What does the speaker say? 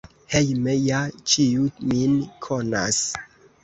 Hejme ja ĉiu min konas.